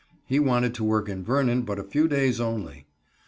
He wanted to work in Vernon but a few days only.